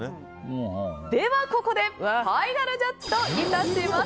ここでファイナルジャッジといたします。